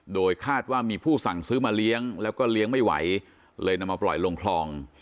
โดยคาดว่ามีผู้สั่งซื้อมาเลี้ยงแล้วก็เลี้ยงไม่ไหวเลยนำมาปล่อยลงคลอง